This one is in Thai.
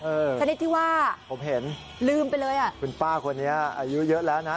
ชนิดที่ว่าผมเห็นลืมไปเลยอ่ะคุณป้าคนนี้อายุเยอะแล้วนะ